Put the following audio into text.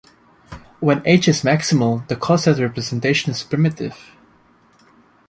When "H" is maximal, the coset representation is primitive.